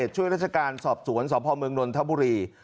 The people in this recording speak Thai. ช่วยราชการสอบสวนสพเมืองนนทบุรี